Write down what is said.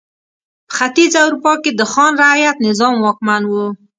په ختیځه اروپا کې د خان رعیت نظام واکمن و.